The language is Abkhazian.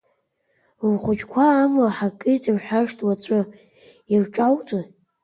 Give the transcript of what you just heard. Лхәыҷқәа амла ҳакит рҳәашт уаҵәы, ирҿалҵои?